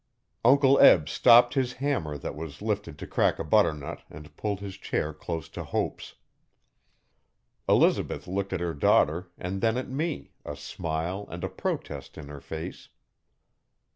Uncle Eb stopped his hmnmer that was lifted to crack a butternut and pulled his chair close to Hope's. Elizabeth looked at her daughter and then at me, a smile and a protest in her face.